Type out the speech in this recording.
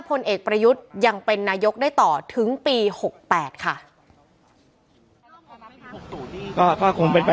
ผลเอกประยุทธ์ยังเป็นนายกได้ต่อถึงปี๖๘ค่ะ